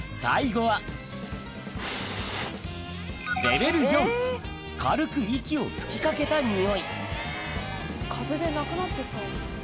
最後はふぅ。を吹き掛けたニオイ風でなくなってそう。